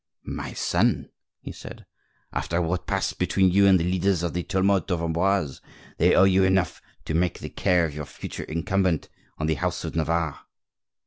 "My son," he said, "after what passed between you and the leaders of the Tumult of Amboise, they owe you enough to make the care of your future incumbent on the house of Navarre."